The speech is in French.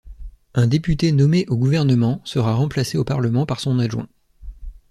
Un député nommé au Gouvernement, sera remplacé au Parlement par son adjoint.